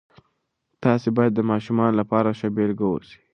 تاسې باید د ماشومانو لپاره ښه بیلګه اوسئ.